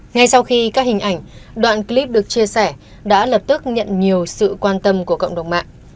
ngay sau khi các hình ảnh đoạn clip được chia sẻ đã lập tức nhận nhiều sự quan tâm của cộng đồng mạng